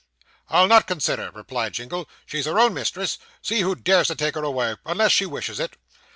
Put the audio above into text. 'I'll not consider,' replied Jingle. 'She's her own mistress see who dares to take her away unless she wishes it.